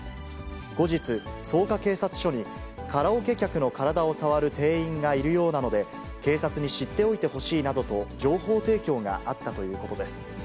後日、草加警察署に、カラオケ客の体を触る店員がいるようなので、警察に知っておいてほしいなどと情報提供があったということです。